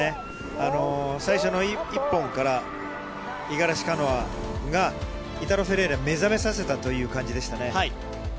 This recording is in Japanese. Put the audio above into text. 最初の１本から五十嵐カノアがイタロ・フェレイラを目覚めさせたという感じでしたね。